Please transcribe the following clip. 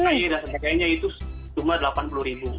iya jadi saya sudah sebagainya itu cuma rp delapan puluh